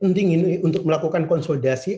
ending ini untuk melakukan konsolidasi